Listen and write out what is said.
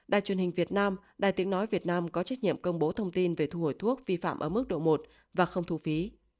đài truyền hình việt nam đài tiếng nói việt nam có trách nhiệm công bố thông tin về thu hồi thuốc vi phạm ở mức độ một và không thu phí